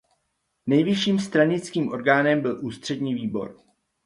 Nejvyšším stranickým orgánem byl Ústřední výbor.